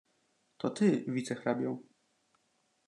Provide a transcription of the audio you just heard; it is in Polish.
"to ty wicehrabio."